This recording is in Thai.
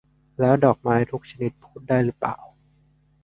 แล้วดอกไม้ทุกชนิดพูดได้หรือเปล่า ?